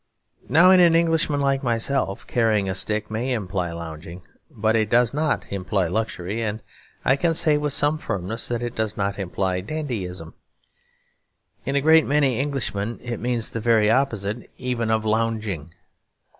Now, in an Englishman like myself, carrying a stick may imply lounging, but it does not imply luxury, and I can say with some firmness that it does not imply dandyism. In a great many Englishmen it means the very opposite even of lounging.